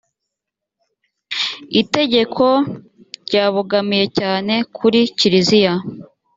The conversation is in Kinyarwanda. itegeko ryabogamiye cyane kuri kiriziya